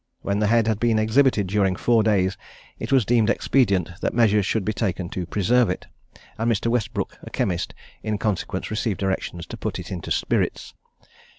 When the head had been exhibited during four days, it was deemed expedient that measures should be taken to preserve it; and Mr. Westbrook, a chemist, in consequence, received directions to put it into spirits.